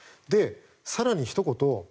更にひと言